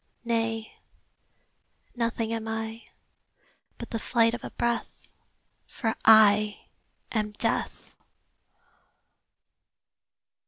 Nay; nothing am I, But the flight of a breath For I am Death!